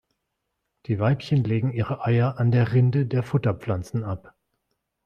Die Weibchen legen ihre Eier an der Rinde der Futterpflanzen ab.